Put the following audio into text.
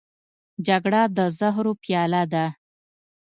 جګړه د زهرو پیاله ده